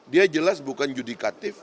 dia jelas bukan judikatif